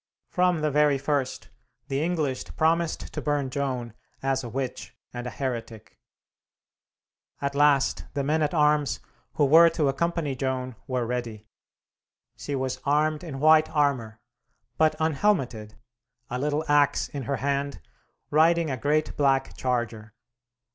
From the very first, the English promised to burn Joan as a witch and a heretic. At last the men at arms who were to accompany Joan were ready. She was armed in white armor, but unhelmeted, a little axe in her hand, riding a great black charger.